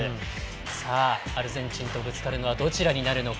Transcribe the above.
さあアルゼンチンとぶつかるのはどちらになるのか。